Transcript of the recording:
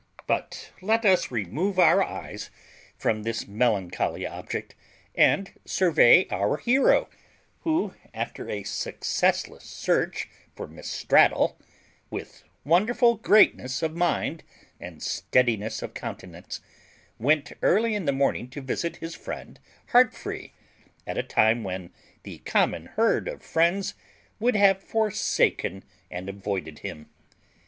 But let us remove our eyes from this melancholy object and survey our hero, who, after a successless search for Miss Straddle, with wonderful greatness of mind and steadiness of countenance went early in the morning to visit his friend Heartfree, at a time when the common herd of friends would have forsaken and avoided him.